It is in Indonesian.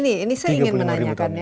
nah ini saya ingin menanyakan